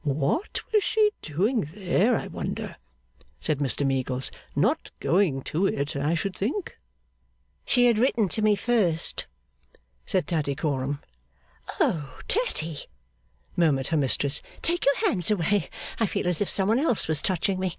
'What was she doing there I wonder!' said Mr Meagles. 'Not going to it, I should think.' 'She had written to me first,' said Tattycoram. 'Oh, Tatty!' murmured her mistress, 'take your hands away. I feel as if some one else was touching me!